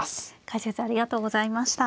解説ありがとうございました。